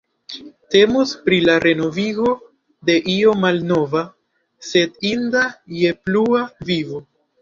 Temos pri la renovigo de io malnova, sed inda je plua vivo.